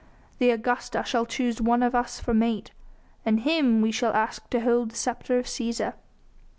"The Augusta shall choose one of us for mate, and him we shall ask to hold the sceptre of Cæsar."